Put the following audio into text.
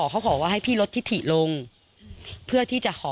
เขาขอว่าให้พี่ลดทิถิลงเพื่อที่จะขอ